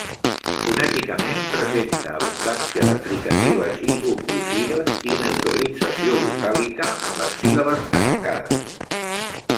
Fonèticament presenta abundància de fricatives i oclusives i neutralització vocàlica en les síl·labes tancades.